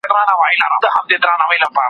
دوی به د پانګي تولید لوړ کړی وي.